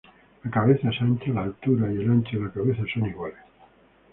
La cabeza es ancha, la altura y el ancho de la cabeza son iguales.